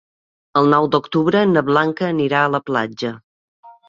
El nou d'octubre na Blanca anirà a la platja.